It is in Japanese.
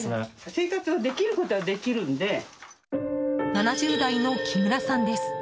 ７０代の木村さんです。